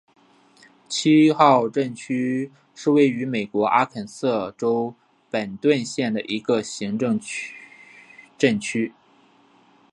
七号镇区是位于美国阿肯色州本顿县的一个行政镇区。